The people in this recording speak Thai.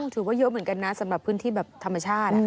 ถือว่าเยอะเหมือนกันนะสำหรับพื้นที่แบบธรรมชาติ